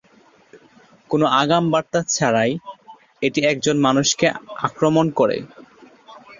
কোনো আগাম বার্তা ছাড়াই এটি একজন মানুষকে আক্রমণ করে।